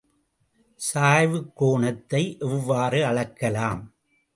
சாய்வுக் கோணத்தை எவ்வாறு அளக்கலாம்?